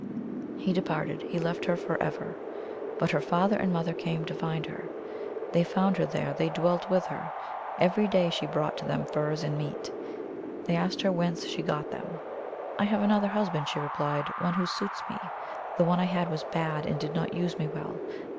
He departed ; he left her forever. But her father and mother came to find her. They found her there ; they dwelt with her. Every day she brought to them furs and meat. They asked her whence she got them. " I have another husband," she replied ;" one who suits me. The one I had was bad, and did not use me well.